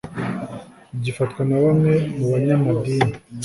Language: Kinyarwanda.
gifatwa na bamwe mu banyamadini